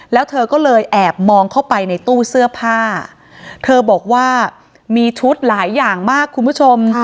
แล้วเธอก็เลยแอบมองเข้าไปในตู้เสื้อผ้าเธอบอกว่ามีชุดหลายอย่างมากคุณผู้ชม